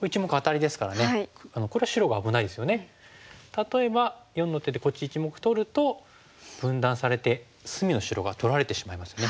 例えば④の手でこっち１目取ると分断されて隅の白が取られてしまいますね。